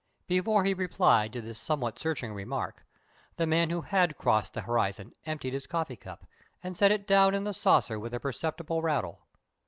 Before he replied to this somewhat searching remark, the man who had crossed the horizon emptied his coffee cup, and set it down in the saucer with a perceptible rattle.